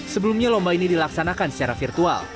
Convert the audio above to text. sebelumnya lomba ini dilaksanakan secara virtual